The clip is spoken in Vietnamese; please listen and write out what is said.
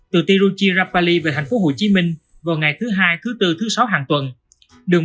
từ tiruchirapalli về thành phố hồ chí minh vào ngày thứ hai thứ tư thứ sáu hàng tuần đường